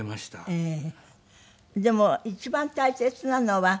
ええ。